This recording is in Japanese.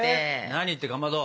何ってかまど。